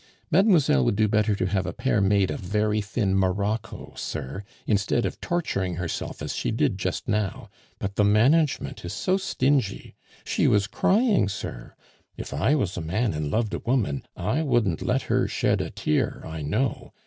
"Mademoiselle would do better to have a pair made of very thin morocco, sir, instead of torturing herself as she did just now; but the management is so stingy. She was crying, sir; if I was a man and loved a woman, I wouldn't let her shed a tear, I know.